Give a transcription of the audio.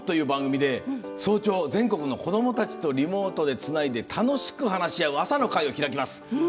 番組で早朝、全国の子どもたちとリモートでつないで楽しく話し合う朝の会を開きます。